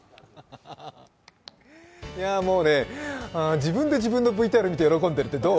自分で自分のＶＴＲを見て喜んでるってどう？